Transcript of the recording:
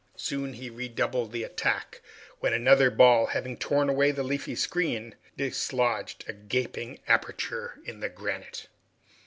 Soon he redoubled his attack, when another ball having torn away the leafy screen, disclosed a gaping aperture in the granite.